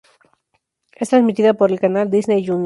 Es transmitida por el canal Disney Junior.